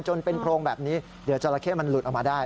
จนเป็นโพรงแบบนี้เดี๋ยวจราเข้มันหลุดออกมาได้